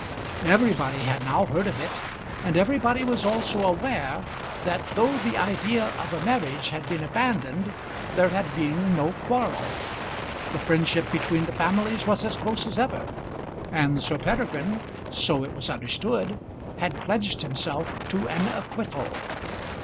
Everybody had now heard of it, and everybody was also aware, that though the idea of a marriage had been abandoned, there had been no quarrel. The friendship between the families was as close as ever, and Sir Peregrine, so it was understood had pledged himself to an acquittal.